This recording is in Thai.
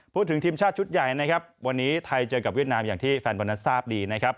พูดถึงทีมชาติชุดใหญ่วันนี้ไทยเจอกับเวียดนามอย่างที่แฟนบอลนั้นทราบดี